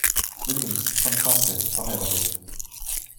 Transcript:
Williams, Konstanze, verh.